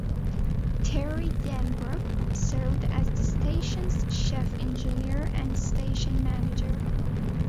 Terry Denbrook served as the station's chief engineer and station manager.